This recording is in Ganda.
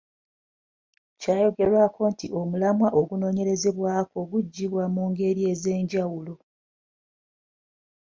Kyayogerwako nti omulamwa ogunoonyerezebwako guggyibwa mu ngeri ez’enjawulo.